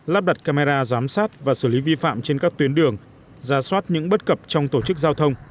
lắp đặt camera giám sát và xử lý vi phạm trên các tuyến đường ra soát những bất cập trong tổ chức giao thông